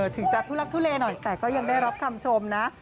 ถึงจะทุลักทุเลหน่อยแต่ก็ยังได้รับคำชมนะ